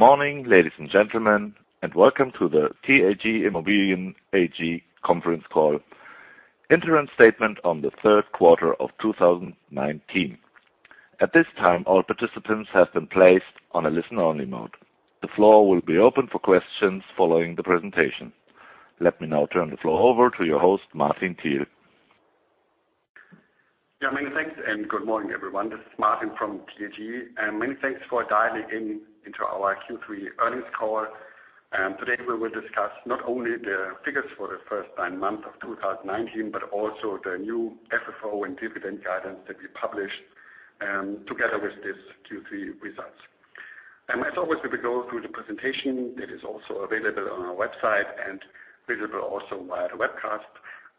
Good morning, ladies and gentlemen, welcome to the TAG Immobilien AG conference call. Interim statement on the third quarter of 2019. At this time, all participants have been placed on a listen-only mode. The floor will be open for questions following the presentation. Let me now turn the floor over to your host, Martin Thiel. Many thanks, good morning, everyone. This is Martin from TAG. Many thanks for dialing in to our Q3 earnings call. Today, we will discuss not only the figures for the first nine months of 2019, but also the new FFO and dividend guidance that we published together with these Q3 results. As always, as we go through the presentation, it is also available on our website and visible also via the webcast.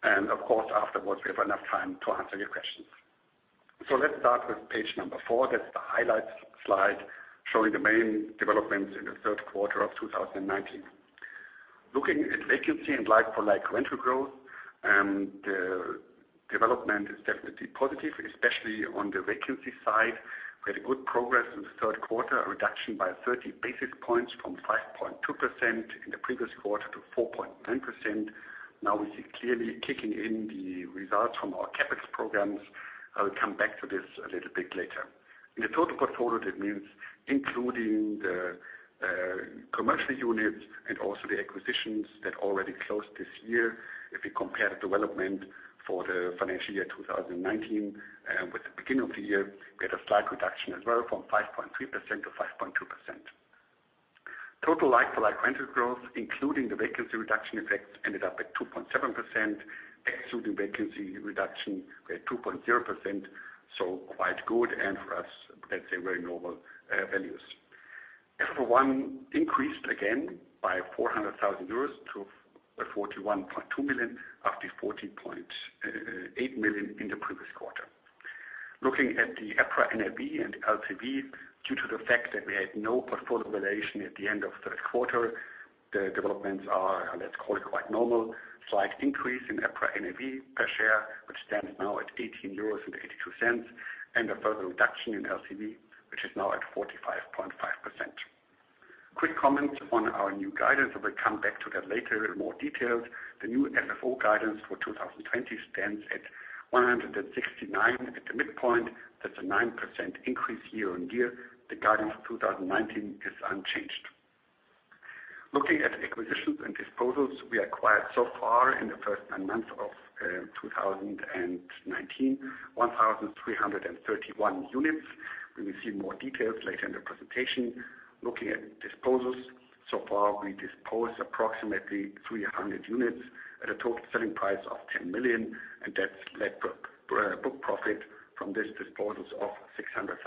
Of course, afterwards, we have enough time to answer your questions. Let's start with page number four. That's the highlights slide showing the main developments in the third quarter of 2019. Looking at vacancy and like-for-like rental growth, the development is definitely positive, especially on the vacancy side. We had a good progress in the third quarter, a reduction by 30 basis points from 5.2% in the previous quarter to 4.9%. We see clearly kicking in the results from our CapEx programs. I will come back to this a little bit later. In the total portfolio, that means including the commercial units and also the acquisitions that already closed this year. We compare the development for the financial year 2019 with the beginning of the year, we had a slight reduction as well from 5.3% to 5.2%. Total like-for-like rental growth, including the vacancy reduction effect, ended up at 2.7%, excluding vacancy reduction, we had 2.0%. Quite good, and for us, let's say, very normal values. FFO 1 increased again by 400,000 euros to 41.2 million after 14.8 million in the previous quarter. Looking at the EPRA NAV and LTV, due to the fact that we had no portfolio valuation at the end of the third quarter, the developments are, let's call it, quite normal. Slight increase in EPRA NAV per share, which stands now at €18.82, and a further reduction in LTV, which is now at 45.5%. Quick comment on our new guidance. I will come back to that later in more details. The new FFO guidance for 2020 stands at 169 at the midpoint. That's a 9% increase year-on-year. The guidance for 2019 is unchanged. Looking at acquisitions and disposals, we acquired so far in the first nine months of 2019, 1,331 units. We will see more details later in the presentation. Looking at disposals, so far, we disposed approximately 300 units at a total selling price of €10 million, and that's net book profit from these disposals of €600,000.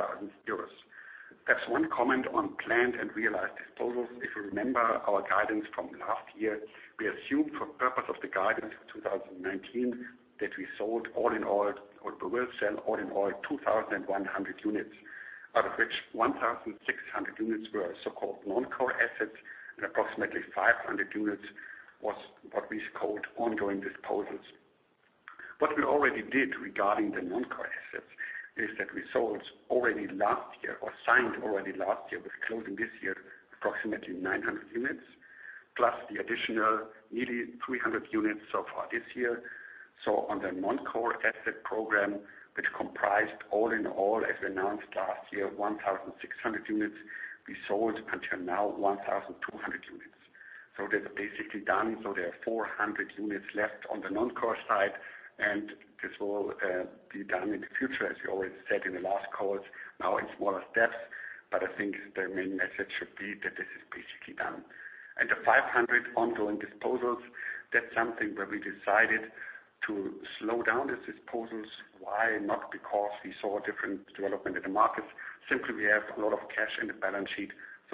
There's one comment on planned and realized disposals. If you remember our guidance from last year, we assumed for purpose of the guidance 2019 that we will sell all in all 2,100 units. Out of which, 1,600 units were so-called non-core assets, and approximately 500 units was what we called ongoing disposals. What we already did regarding the non-core assets is that we sold already last year or signed already last year with closing this year, approximately 900 units, plus the additional nearly 300 units so far this year. On the non-core asset program, which comprised all in all, as announced last year, 1,600 units, we sold until now 1,200 units. That's basically done. There are 400 units left on the non-core side, and this will be done in the future, as we always said in the last calls. In smaller steps, I think the main message should be that this is basically done. The 500 ongoing disposals, that's something where we decided to slow down the disposals. Why? Not because we saw a different development in the market. Simply, we have a lot of cash in the balance sheet,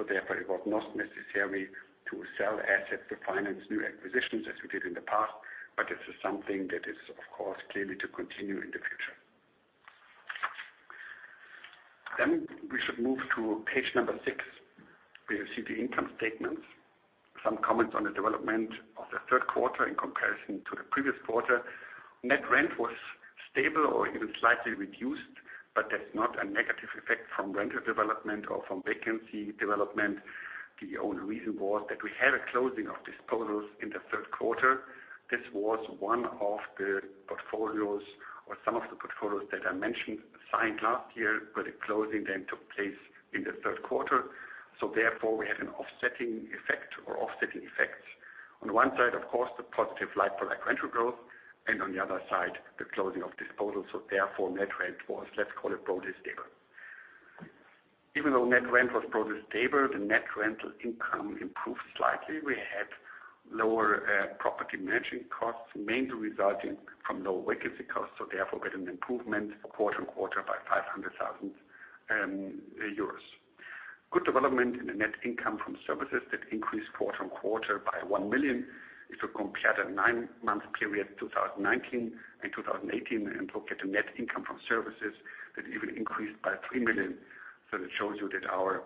therefore it was not necessary to sell assets to finance new acquisitions as we did in the past. This is something that is, of course, clearly to continue in the future. We should move to page number six, where you see the income statements. Some comments on the development of the third quarter in comparison to the previous quarter. Net rent was stable or even slightly reduced, that's not a negative effect from rental development or from vacancy development. The only reason was that we had a closing of disposals in the third quarter. This was one of the portfolios or some of the portfolios that I mentioned signed last year, but the closing then took place in the third quarter. Therefore, we had an offsetting effect or offsetting effects. On one side, of course, the positive like-for-like rental growth, and on the other side, the closing of disposals. Therefore, net rent was, let's call it, broadly stable. Even though net rent was broadly stable, the net rental income improved slightly. We had lower property managing costs, mainly resulting from lower vacancy costs, so therefore we had an improvement quarter on quarter by 500,000 euros. Good development in the net income from services that increased quarter on quarter by 1 million. If you compare the 9-month period 2019 and 2018 and look at the net income from services, that even increased by 3 million. That shows you that our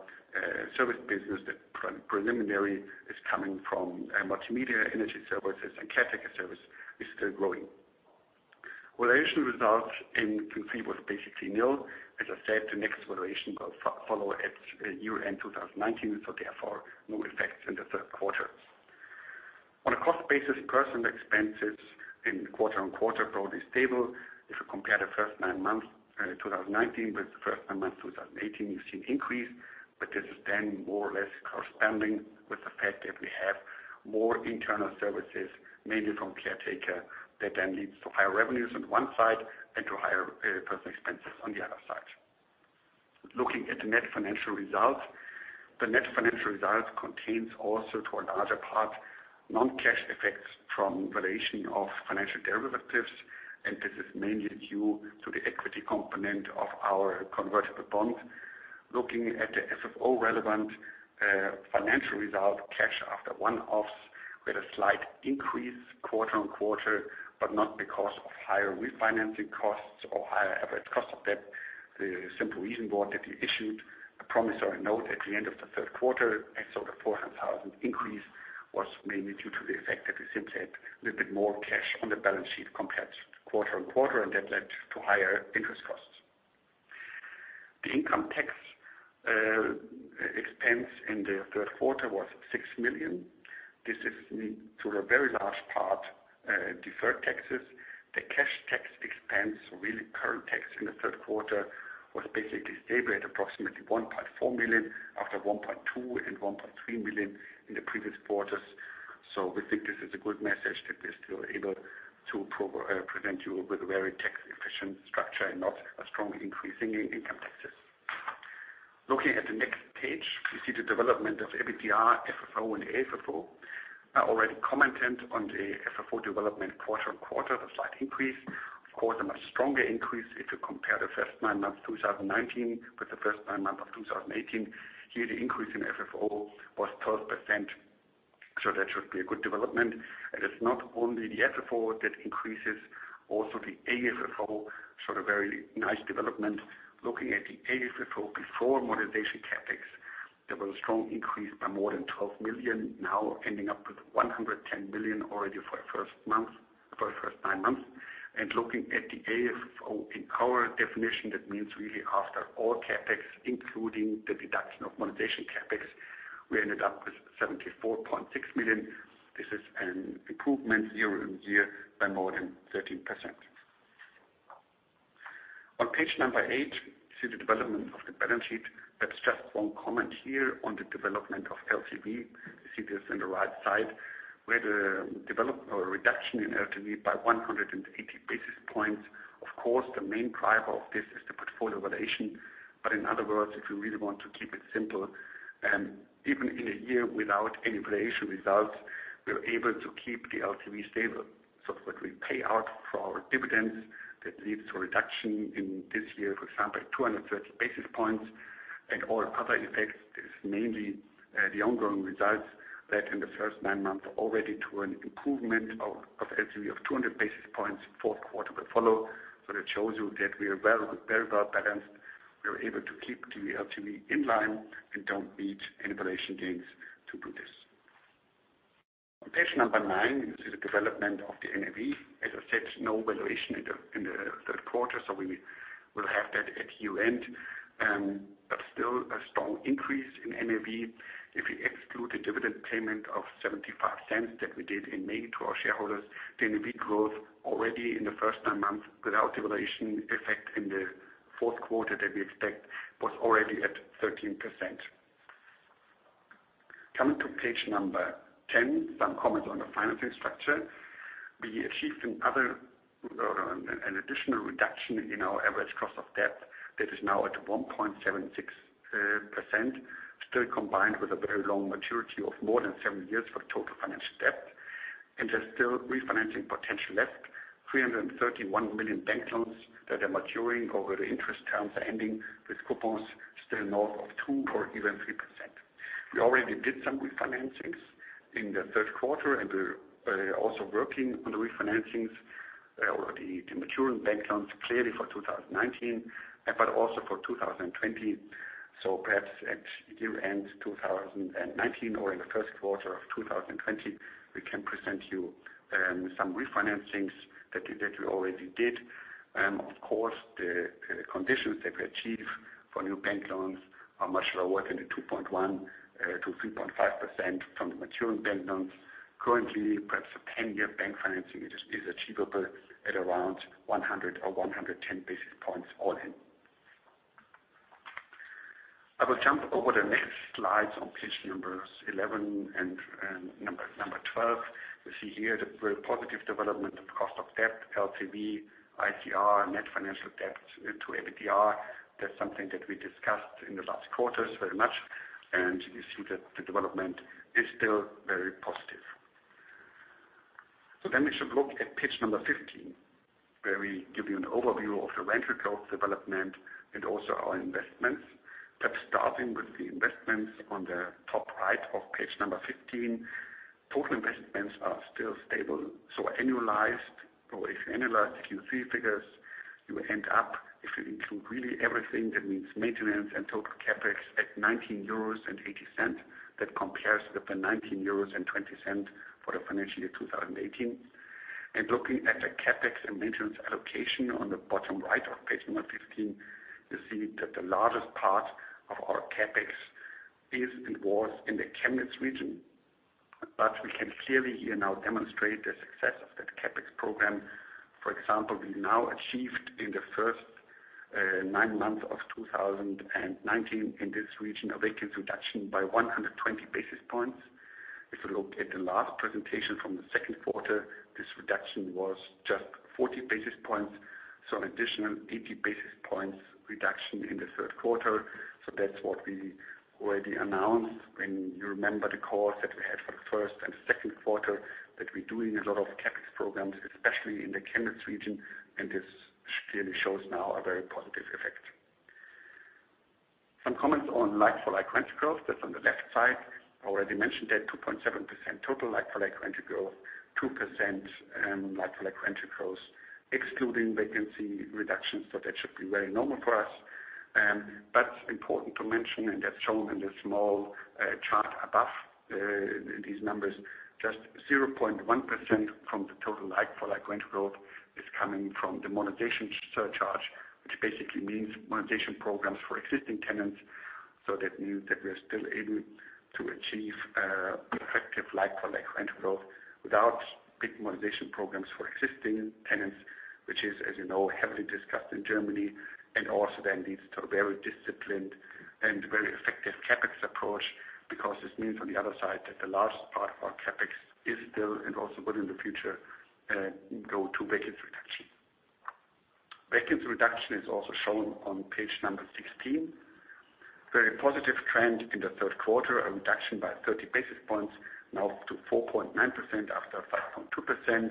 service business, that primarily is coming from multimedia and energy services and caretaker service, is still growing. Valuation results in Q3 was basically nil. As I said, the next valuation will follow at year-end 2019. Therefore, no effects in the third quarter. On a cost basis, personal expenses in quarter-on-quarter are broadly stable. If you compare the first 9 months 2019 with the first 9 months 2018, you've seen increase. This is then more or less corresponding with the fact that we have more internal services, mainly from caretaker, that then leads to higher revenues on one side and to higher personal expenses on the other side. Looking at the net financial results. The net financial results contains also, to a larger part, non-cash effects from valuation of financial derivatives. This is mainly due to the equity component of our convertible bonds. Looking at the FFO-relevant financial result, cash after one-offs, we had a slight increase quarter on quarter, not because of higher refinancing costs or higher average cost of debt. The simple reason was that we issued a promissory note at the end of the third quarter. So the 400,000 increase was mainly due to the effect that we simply had a little bit more cash on the balance sheet compared quarter on quarter. That led to higher interest costs. The income tax expense in the third quarter was 6 million. This is to a very large part deferred taxes. The cash tax expense, really current tax in the third quarter, was basically stable at approximately 1.4 million after 1.2 and 1.3 million in the previous quarters. We think this is a good message that we're still able to present you with a very tax-efficient structure and not a strong increase in income taxes. Looking at the next page, we see the development of EBITDA, FFO and AFFO. I already commented on the FFO development quarter-on-quarter, the slight increase. Of course, a much stronger increase if you compare the first nine months 2019 with the first nine months of 2018. Here, the increase in FFO was 12%, so that should be a good development. It's not only the FFO that increases, also the AFFO saw a very nice development. Looking at the AFFO before modernization CapEx, there was a strong increase by more than 12 million, now ending up with 110 million already for the first nine months. Looking at the AFFO in our definition, that means really after all CapEx, including the deduction of modernization CapEx, we ended up with 74.6 million. This is an improvement year-on-year by more than 13%. On page number eight, you see the development of the balance sheet. That's just one comment here on the development of LTV. You see this on the right side. We had a reduction in LTV by 180 basis points. Of course, the main driver of this is the portfolio valuation. In other words, if you really want to keep it simple, even in a year without any valuation results, we're able to keep the LTV stable. What we pay out for our dividends, that leads to reduction in this year, for example, 230 basis points and all other effects. This is mainly the ongoing results that in the first nine months already to an improvement of LTV of 200 basis points. fourth quarter will follow. That shows you that we are very well balanced. We are able to keep the LTV in line and don't need any valuation gains to do this. On page number nine, you see the development of the NAV. As I said, no valuation in the third quarter, we will have that at year-end. Still a strong increase in NAV. If you exclude the dividend payment of 0.75 that we did in May to our shareholders, the NAV growth already in the first nine months without the valuation effect in the fourth quarter that we expect, was already at 13%. Coming to page number 10, some comments on the financing structure. We achieved an additional reduction in our average cost of debt. That is now at 1.76%, still combined with a very long maturity of more than seven years for total financial debt. There's still refinancing potential left, 331 million bank loans that are maturing or where the interest terms are ending with coupons still north of 2% or even 3%. We already did some refinancings in the third quarter and we're also working on the refinancings or the maturing bank loans clearly for 2019, but also for 2020. Perhaps at year-end 2019 or in the first quarter of 2020, we can present you some refinancings that we already did. Of course, the conditions that we achieve for new bank loans are much lower than the 2.1%-3.5% from the maturing bank loans. Currently, perhaps a 10-year bank financing is achievable at around 100 or 110 basis points all in. I will jump over the next slides on page numbers 11 and 12. You see here the very positive development of cost of debt, LTV, ICR, net financial debt to EBITDA. That's something that we discussed in the last quarters very much, and you see that the development is still very positive. We should look at page number 15, where we give you an overview of the rental growth development and also our investments. Starting with the investments on the top right of page 15. Total investments are still stable. If you annualize the Q3 figures, you end up, if you include really everything, that means maintenance and total CapEx, at 19.80 euros. That compares with the 19.20 euros for the financial year 2018. Looking at the CapEx and maintenance allocation on the bottom right of page 15, you see that the largest part of our CapEx is, and was, in the Chemnitz region. We can clearly here now demonstrate the success of that CapEx program. For example, we now achieved in the first nine months of 2019 in this region a vacancy reduction by 120 basis points. If you look at the last presentation from the second quarter, this reduction was just 40 basis points, so an additional 80 basis points reduction in the third quarter. That's what we already announced when you remember the calls that we had for the first and second quarter, that we're doing a lot of CapEx programs, especially in the Chemnitz region, and this clearly shows now a very positive effect. Some comments on like-for-like rent growth. That's on the left side. I already mentioned that, 2.7% total like-for-like rent growth, 2% like-for-like rent growth excluding vacancy reductions. That should be very normal for us. Important to mention, and that's shown in the small chart above these numbers, just 0.1% from the total like-for-like rent growth is coming from the modernization surcharge, which basically means modernization programs for existing tenants. That means that we are still able to achieve effective like-for-like rental growth without big modernization programs for existing tenants, which is, as you know, heavily discussed in Germany, and also then leads to a very disciplined and very effective CapEx approach, because this means on the other side that the largest part of our CapEx is still, and also will in the future, go to vacancy reduction. Vacancy reduction is also shown on page number 16. Very positive trend in the third quarter, a reduction by 30 basis points, now up to 4.9% after 5.2%.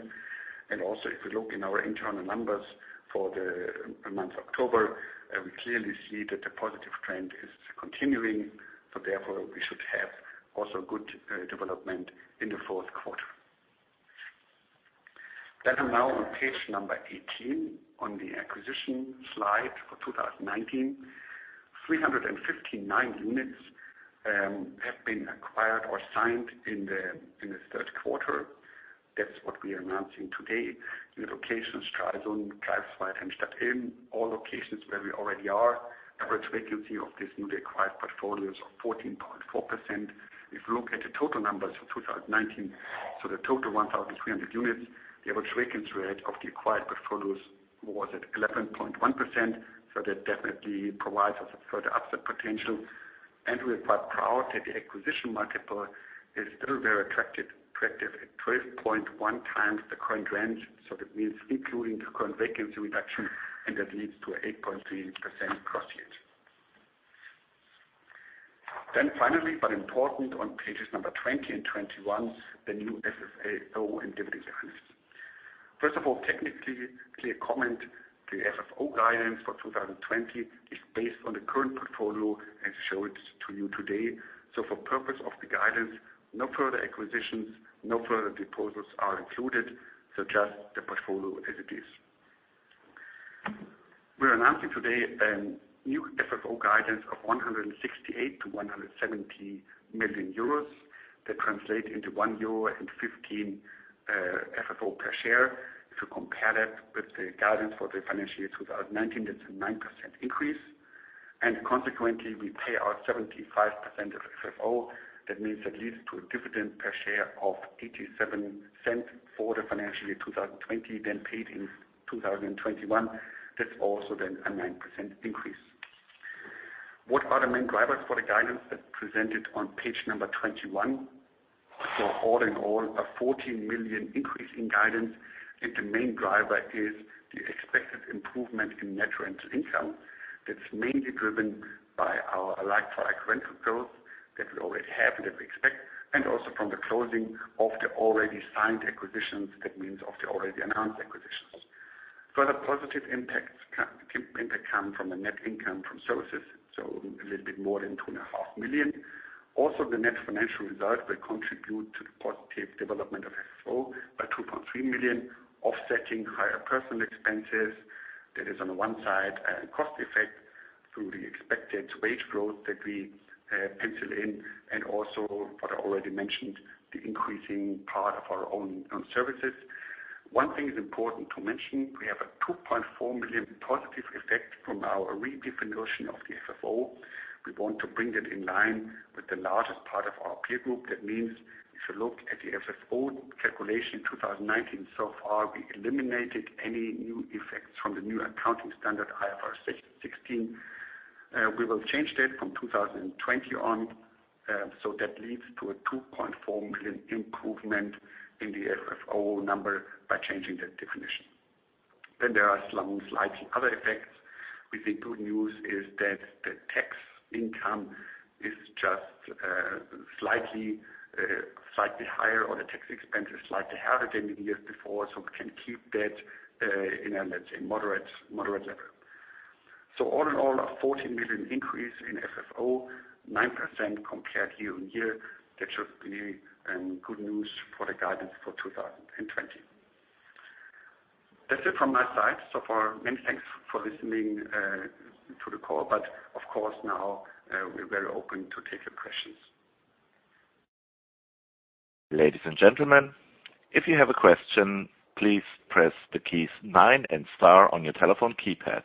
If you look in our internal numbers for the month of October, we clearly see that the positive trend is continuing, therefore we should have also good development in the fourth quarter. I'm now on page number 18 on the acquisition slide for 2019. 359 units have been acquired or signed in the third quarter. That's what we're announcing today. The locations, Stralsund, Greifswald, Helmstedt all locations where we already are. Average vacancy of these newly acquired portfolios of 14.4%. If you look at the total numbers for 2019, so the total 1,300 units, the average vacancy rate of the acquired portfolios was at 11.1%, so that definitely provides us a further upside potential. We are quite proud that the acquisition multiple is still very attractive at 12.1 times the current rent. That means including the current vacancy reduction, and that leads to a 8.3% cross yield. Finally, but important, on pages number 20 and 21, the new FFO and dividend guidance. First of all, technically a comment. The FFO guidance for 2020 is based on the current portfolio as showed to you today. For purpose of the guidance, no further acquisitions, no further disposals are included, just the portfolio as it is. We're announcing today a new FFO guidance of 168 million-170 million euros. That translate into 1.15 euro FFO per share. If you compare that with the guidance for the financial year 2019, that's a 9% increase. Consequently, we pay out 75% of FFO. That means that leads to a dividend per share of 0.87 for the financial year 2020, then paid in 2021. That's also then a 9% increase. What are the main drivers for the guidance? That's presented on page number 21. All in all, a 14 million increase in guidance, and the main driver is the expected improvement in net rental income. That's mainly driven by our like-for-like rental growth that we already have and that we expect, and also from the closing of the already signed acquisitions. That means of the already announced acquisitions. Further positive impact come from a net income from services, so a little bit more than 2.5 million. The net financial result will contribute to the positive development of FFO by 2.3 million, offsetting higher personal expenses. That is on the one side, a cost effect through the expected wage growth that we penciled in, and also what I already mentioned, the increasing part of our own services. One thing is important to mention, we have a 2.4 million positive effect from our redefinition of the FFO. We want to bring that in line with the largest part of our peer group. That means if you look at the FFO calculation 2019 so far, we eliminated any new effects from the new accounting standard IFRS 16. We will change that from 2020 on, so that leads to a 2.4 million improvement in the FFO number by changing that definition. There are some slightly other effects. We think good news is that the tax income is just slightly higher, or the tax expense is slightly higher than in the years before, so we can keep that in a, let's say moderate level. All in all, a 14 million increase in FFO, 9% compared year-on-year. That should be good news for the guidance for 2020. That's it from my side so far. Many thanks for listening to the call, but of course, now we're very open to take your questions. Ladies and gentlemen, if you have a question, please press the keys nine and star on your telephone keypad.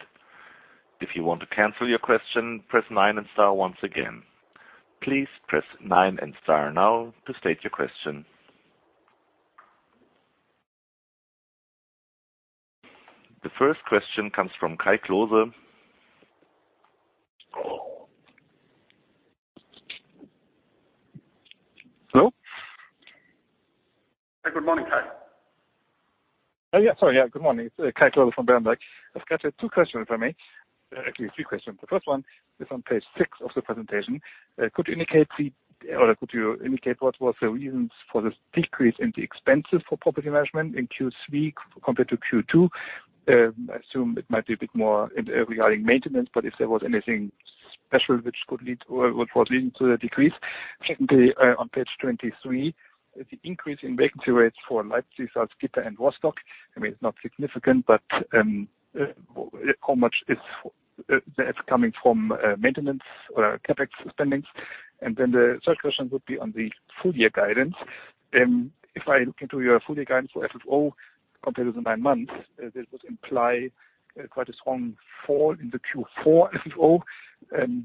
If you want to cancel your question, press nine and star once again. Please press nine and star now to state your question. The first question comes from Kai Klose. Hello? Good morning, Kai. Sorry. Good morning. It's Kai Klose from Berenberg. I've got two questions for me. Actually, three questions. The first one is on page six of the presentation. Could you indicate what was the reasons for this decrease in the expenses for property management in Q3 compared to Q2? I assume it might be a bit more regarding maintenance, but if there was anything special which was leading to the decrease. Secondly, on page 23, the increase in vacancy rates for Leipzig, Salzgitter, and Rostock. I mean, it's not significant, but how much of that's coming from maintenance or CapEx spendings? The third question would be on the full year guidance. If I look into your full year guidance for FFO compared to the nine months, this would imply quite a strong fall in the Q4 FFO.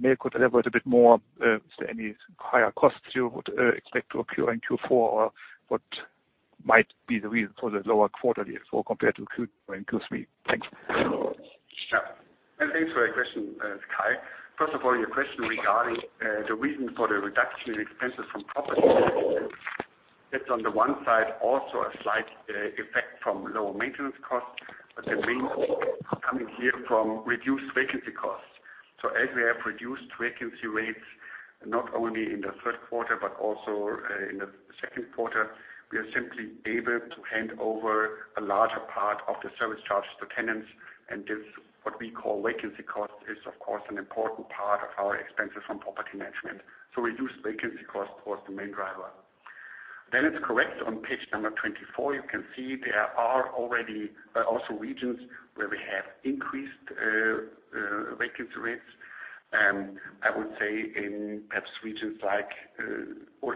Maybe could elaborate a bit more, is there any higher costs you would expect to occur in Q4? What might be the reason for the lower quarterly FFO compared to Q3? Thanks. Yeah. Thanks for your question, Kai. First of all, your question regarding the reason for the reduction in expenses from property management. That's on the one side, also a slight effect from lower maintenance costs, but the main coming here from reduced vacancy costs. As we have reduced vacancy rates, not only in the third quarter but also in the second quarter, we are simply able to hand over a larger part of the service charges to tenants. This, what we call vacancy cost, is of course, an important part of our expenses from property management. Reduced vacancy cost was the main driver. It's correct, on page number 24, you can see there are also regions where we have increased vacancy rates. I would say in perhaps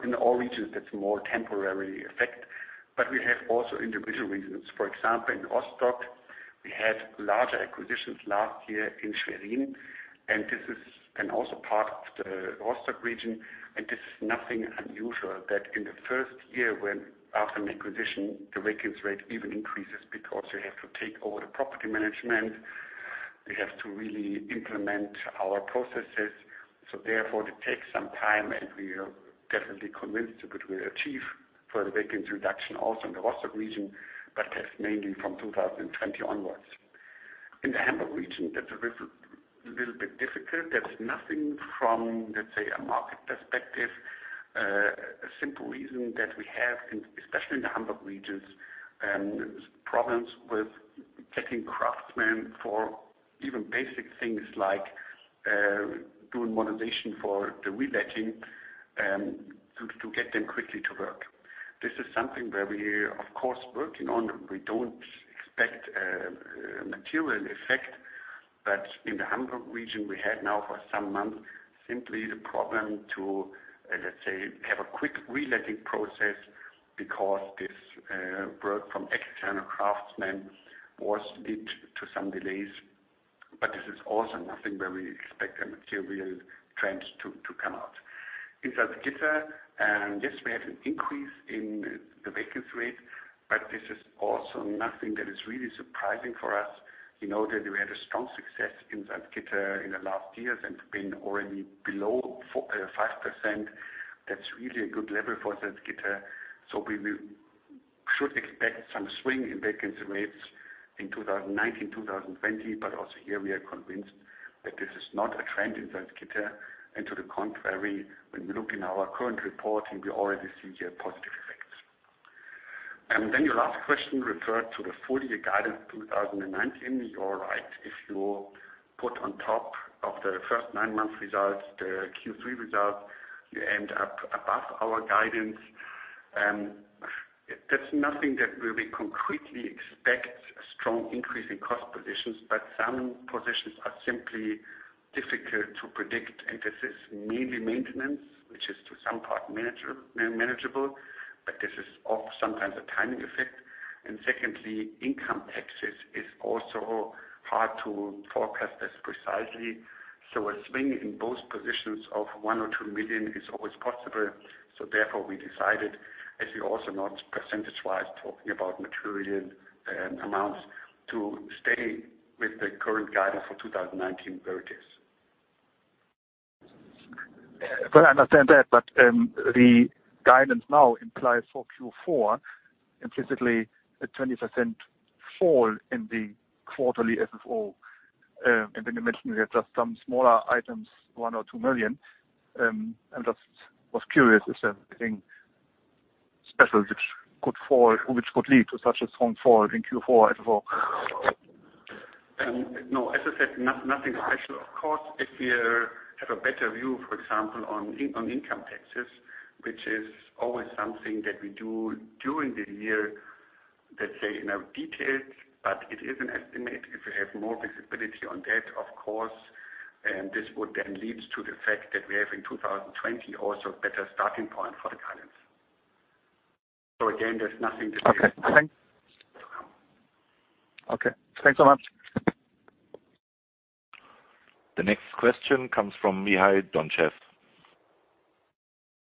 in all regions, that's a more temporary effect, but we have also individual reasons. For example, in Rostock, we had larger acquisitions last year in Schwerin, and also part of the Rostock region. This is nothing unusual that in the first year when after an acquisition, the vacancy rate even increases because we have to take over the property management, we have to really implement our processes. Therefore, it takes some time and we are definitely convinced that we achieve further vacancy reduction also in the Rostock region. That's mainly from 2020 onwards. In the Hamburg region, that's a little bit difficult. That's nothing from, let's say, a market perspective. A simple reason that we have, especially in the Hamburg regions, problems with getting craftsmen for even basic things like doing modernization for the reletting, to get them quickly to work. This is something where we, of course, working on. We don't expect a material effect, but in the Hamburg region, we had now for some months, simply the problem to have a quick reletting process because this work from external craftsmen was lead to some delays. This is also nothing where we expect a material trend to come out. In Salzgitter, yes, we had an increase in the vacancy rate, but this is also nothing that is really surprising for us. You know that we had a strong success in Salzgitter in the last years and been already below 5%. That's really a good level for Salzgitter. We should expect some swing in vacancy rates in 2019, 2020. Also here we are convinced that this is not a trend in Salzgitter. To the contrary, when we look in our current reporting, we already see here positive effects. Your last question referred to the full year guidance 2019. You're right. If you put on top of the first nine months results, the Q3 results, you end up above our guidance. There's nothing that we concretely expect a strong increase in cost positions, but some positions are simply difficult to predict, and this is mainly maintenance, which is to some part manageable, but this is sometimes a timing effect. Secondly, income taxes is also hard to forecast as precisely. A swing in both positions of 1 or 2 million is always possible. Therefore, we decided, as you also note percentage-wise, talking about material amounts, to stay with the current guidance for 2019 where it is. Well, I understand that, but the guidance now implies for Q4 implicitly a 20% fall in the quarterly FFO. You mentioned there are just some smaller items, 1 or 2 million. I just was curious if that's getting special which could lead to such a strong fall in Q4 as well? As I said, nothing special. Of course, if we have a better view, for example, on income taxes, which is always something that we do during the year, let's say in our details, but it is an estimate. If we have more visibility on that, of course, this would then lead to the fact that we have in 2020 also a better starting point for the guidance. Again, there's nothing to say. Okay, thanks. Okay, thanks so much. The next question comes from Mihail Donchev.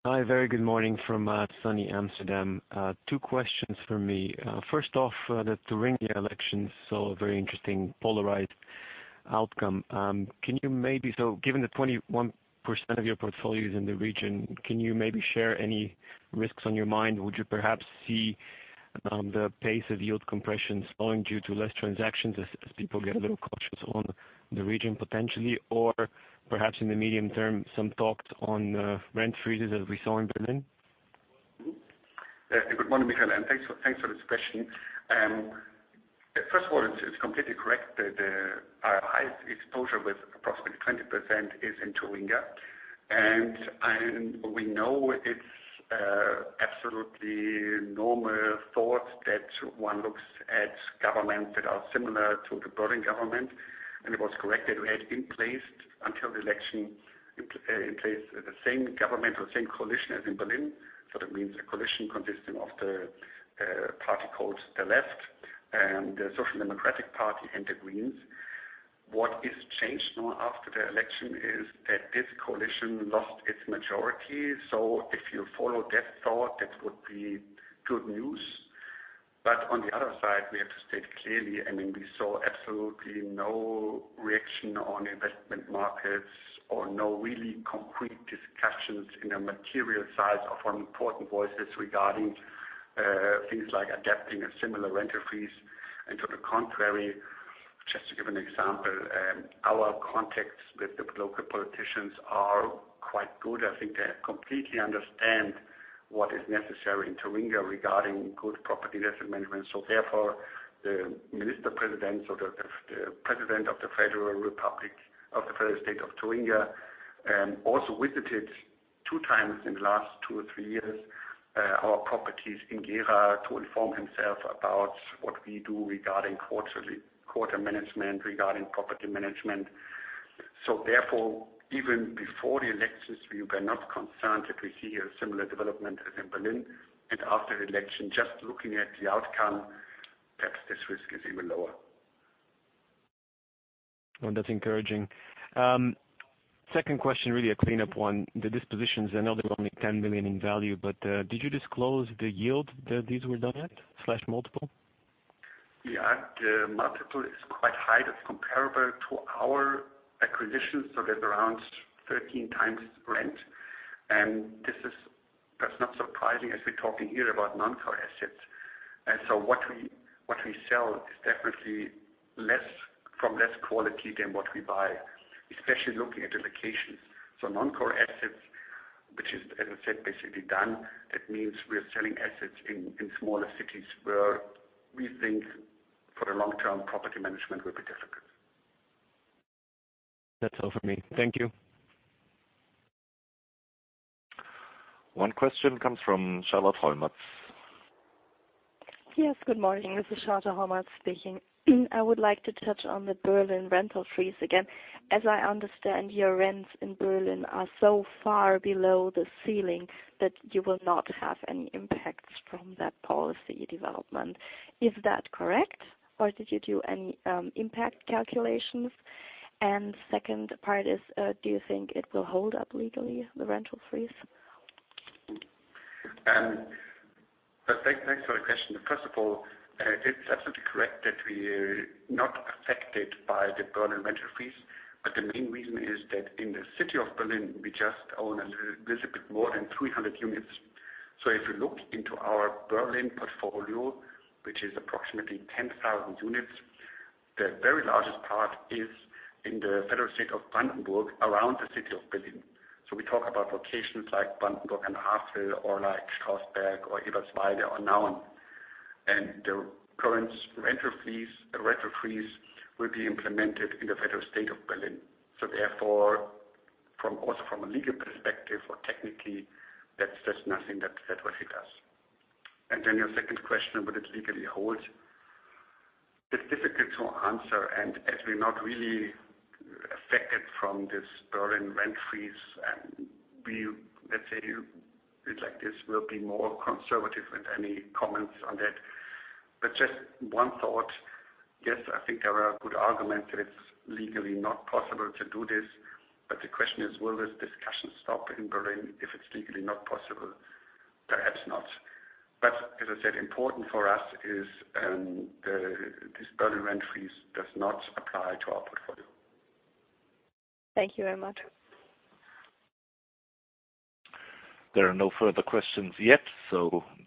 Hi. Very good morning from sunny Amsterdam. Two questions from me. First off, the Thuringia elections, saw a very interesting polarized outcome. Given that 21% of your portfolio is in the region, can you maybe share any risks on your mind? Would you perhaps see the pace of yield compression slowing due to less transactions as people get a little cautious on the region potentially, or perhaps in the medium term, some thoughts on rent freezes as we saw in Berlin? Good morning, Mihail, thanks for this question. First of all, it's completely correct that our highest exposure with approximately 20% is in Thuringia. We know it's absolutely normal thought that one looks at governments that are similar to the Berlin government, it was correct that we had in place until the election, the same government or same coalition as in Berlin. That means a coalition consisting of the party called The Left and the Social Democratic Party and The Greens. What has changed now after the election is that this coalition lost its majority. If you follow that thought, that would be good news. On the other side, we have to state clearly, I mean, we saw absolutely no reaction on investment markets or no really concrete discussions in a material size of important voices regarding things like adapting a similar rent freeze. To the contrary, just to give an example, our contacts with the local politicians are quite good. I think they completely understand what is necessary in Thuringia regarding good property asset management. Therefore, the Minister President, so the President of the Federal State of Thuringia, also visited two times in the last two or three years our properties in Gera to inform himself about what we do regarding quarter management, regarding property management. Therefore, even before the elections, we were not concerned that we see a similar development as in Berlin. After the election, just looking at the outcome, perhaps this risk is even lower. Well, that's encouraging. Second question, really a cleanup one. The dispositions, I know they were only 10 million in value, but did you disclose the yield that these were done at/multiple? Yeah. The multiple is quite high. That's comparable to our acquisitions, so that's around 13x rent. This is perhaps not surprising as we're talking here about non-core assets. What we sell is definitely from less quality than what we buy, especially looking at the locations. Non-core assets, which is, as I said, basically done. That means we are selling assets in smaller cities where we think for the long term, property management will be difficult. That's all for me. Thank you. One question comes from Charlotte Hommes. Yes, good morning. This is Charlotte Hommes speaking. I would like to touch on the Berlin rent freeze again. As I understand, your rents in Berlin are so far below the ceiling that you will not have any impacts from that policy development. Is that correct? Did you do any impact calculations? Second part is, do you think it will hold up legally, the rent freeze? Thanks for the question. First of all, it's absolutely correct that we are not affected by the Berlin rent freeze, but the main reason is that in the city of Berlin, we just own a little bit more than 300 units. If you look into our Berlin portfolio, which is approximately 10,000 units, the very largest part is in the federal state of Brandenburg around the city of Berlin. We talk about locations like Brandenburg an der Havel, or like Strausberg or Eberswalde or Nauen. The current rental freeze will be implemented in the federal state of Berlin. Therefore, also from a legal perspective or technically, that's nothing that will hit us. Then your second question, will it legally hold? It's difficult to answer. As we're not really affected from this Berlin rent freeze, let's say, it's like this, we'll be more conservative with any comments on that. Just one thought. Yes, I think there are good arguments that it's legally not possible to do this. The question is, will this discussion stop in Berlin if it's legally not possible? Perhaps not. As I said, important for us is this Berlin rent freeze does not apply to our portfolio. Thank you very much. There are no further questions yet.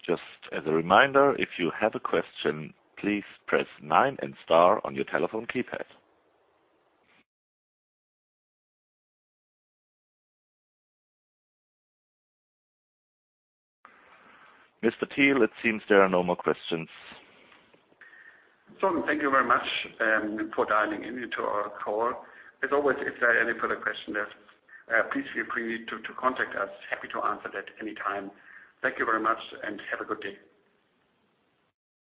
Just as a reminder, if you have a question, please press nine and star on your telephone keypad. Mr. Thiel, it seems there are no more questions. Thank you very much for dialing into our call. As always, if there are any further questions, please feel free to contact us. Happy to answer that anytime. Thank you very much and have a good day.